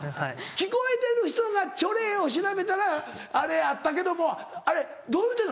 聞こえてる人がチョレイを調べたらあれあったけどもあれどう言ってんの？